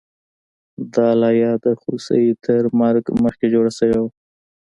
دا لایه د هوسۍ تر مرګ مخکې جوړه شوې وه